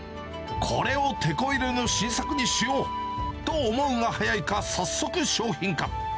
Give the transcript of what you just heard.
これをテコ入れの新作にしようと思うが早いか、早速商品化。